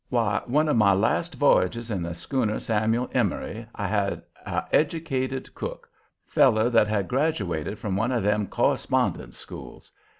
Why, one of my last voyages in the schooner Samuel Emory, I had a educated cook, feller that had graduated from one of them correspondence schools.